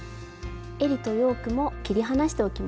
えりとヨークも切り離しておきましょう。